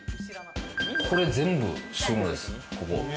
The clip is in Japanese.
これ全部収納です。